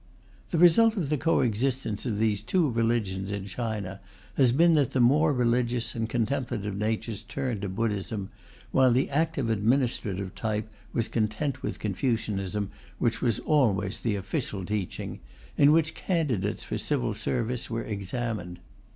The result of the co existence of these two religions in China has been that the more religious and contemplative natures turned to Buddhism, while the active administrative type was content with Confucianism, which was always the official teaching, in which candidates for the civil service were examined.